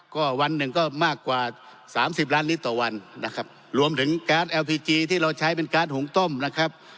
ก็วันหนึ่งก็มากกว่าสามสิบล้านลิตรต่อวันนะครับรวมถึงการ์ดแอลพีจีที่เราใช้เป็นการ์หุงต้มนะครับ